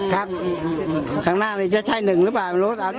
ครับข้างหน้านี้จะใช่๑หรือเปล่า